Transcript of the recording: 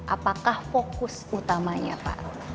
apakah fokus utamanya pak